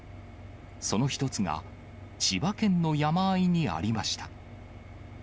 その一つが、千葉県の山あいにありました。